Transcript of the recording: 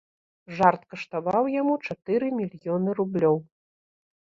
Жарт каштаваў яму чатыры мільёны рублёў.